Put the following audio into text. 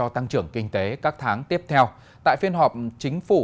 tiếp theo tại phiên họp chính phủ